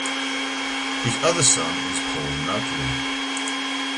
His other son is Paul Notley.